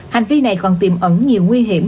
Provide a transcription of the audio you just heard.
hành vi này còn tìm ẩn nhiều nguy hiểm